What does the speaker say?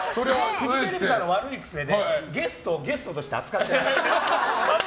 フジテレビさんの悪い癖でゲストをゲストとして扱ってない。